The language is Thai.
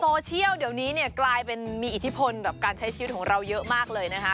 โซเชียลเดี๋ยวนี้เนี่ยกลายเป็นมีอิทธิพลกับการใช้ชีวิตของเราเยอะมากเลยนะคะ